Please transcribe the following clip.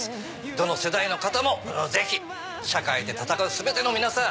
どの世代の方もぜひ社会で闘う全ての皆さん